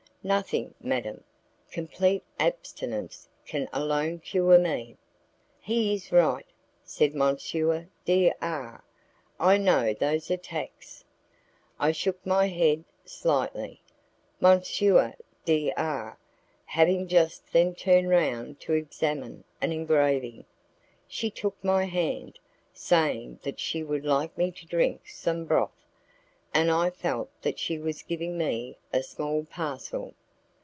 "Nothing, madam; complete abstinence can alone cure me." "He is right," said M. D R , "I know those attacks." I shook my head slightly. M. D R having just then turned round to examine an engraving, she took my hand, saying that she would like me to drink some broth, and I felt that she was giving me a small parcel.